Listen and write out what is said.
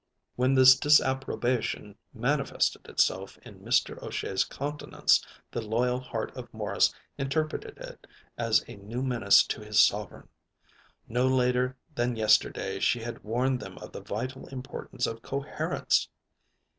When this disapprobation manifested itself in Mr. O'Shea's countenance, the loyal heart of Morris interpreted it as a new menace to his sovereign. No later than yesterday she had warned them of the vital importance of coherence.